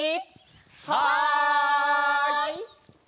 はい！